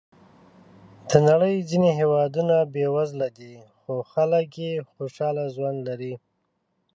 د نړۍ ځینې هېوادونه بېوزله دي، خو خلک یې خوشحاله ژوند لري.